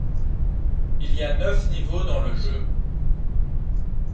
Il y a neuf niveaux dans le jeu.